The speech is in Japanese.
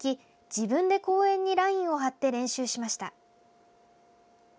自分で公園にラインを張って練習しました。